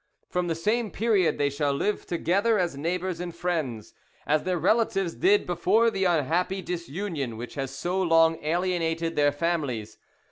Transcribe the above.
"From the same period they shall live together as good neighbours and friends, as their relatives did before the unhappy disunion which has so long alienated their families.